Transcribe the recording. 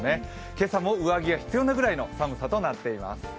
今朝も上着が必要なぐらいの寒さとなっています。